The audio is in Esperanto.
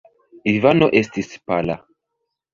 Ivano estis pala.